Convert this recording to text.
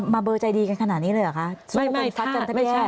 มาเบอร์ใจดีกันขนาดนี้เลยหรือคะ